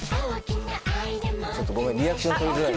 ちょっとごめんリアクション取りづらい。